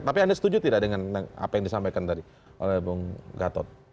tapi anda setuju tidak dengan apa yang disampaikan tadi oleh bung gatot